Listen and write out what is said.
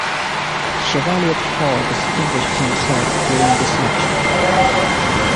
Chevalier Paul distinguished himself during this action.